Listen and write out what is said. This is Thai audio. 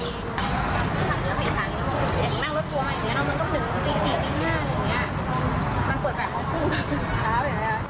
มันเปิดแบบของกูช้าไปไหม